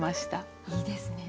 いいですね。